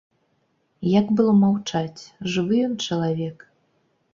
Як было маўчаць, жывы ён чалавек?